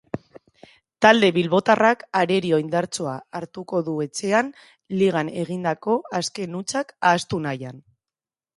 Talde bilbotarrak arerio indartsua hartuko du etxean ligan egindako azken hutsak ahaztu nahian.